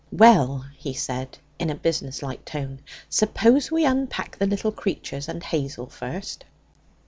'Well,' he said in a business like tone, 'suppose we unpack the little creatures and Hazel first?'